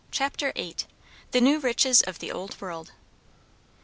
CHAPTER VIII. THE NEW RICHES OF THE OLD WORLD.